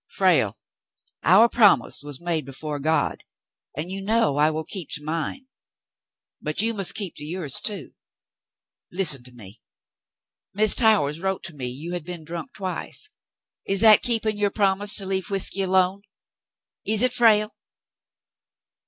Frale, our promise was made before God, and you know I will keep to mine. But you must keep to yours, too. Listen at me. Mrs. Towers wrote me you had been drunk twice. Is that keeping your promise to leave whiskey alone ? Is it, Frale